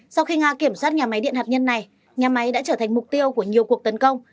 sau khi nga kiểm soát nhà máy điện hạt nhân này nhà máy đã trở thành mục tiêu của nhiều cuộc tấn công